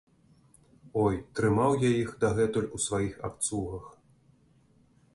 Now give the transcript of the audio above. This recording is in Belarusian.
Ой, трымаў я іх дагэтуль у сваіх абцугах!